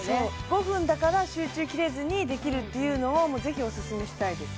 そう５分だから集中切れずにできるっていうのをぜひおすすめしたいです